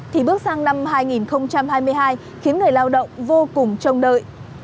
thì bước sang năm hai nghìn hai mươi hai khiến người lao động vô cùng trông đợi